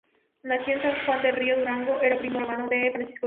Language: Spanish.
Nació en San Juan del Río, Durango, era primo hermano de Francisco Villa.